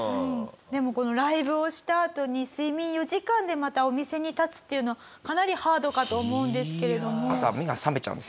でもこのライブをしたあとに睡眠４時間でまたお店に立つっていうのはかなりハードかと思うんですけれども。